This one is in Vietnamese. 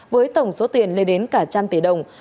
với tổng số tiền lên đến cả trăm tỷ đồng